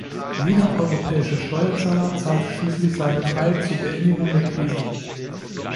Jeder europäische Steuerzahler zahlt schließlich seinen Teil zur Beendigung der Krise.